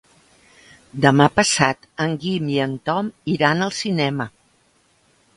Demà passat en Guim i en Tom iran al cinema.